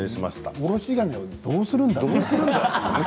いや、おろし金をどうするんだというね。